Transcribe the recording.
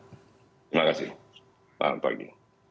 terima kasih selamat pagi